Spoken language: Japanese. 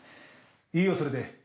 いいよそれで。